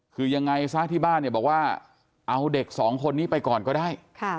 คือยังไงฟ้าที่บ้านบอกว่าเอาเด็ก๒คนนี้ไปก่อนก็ได้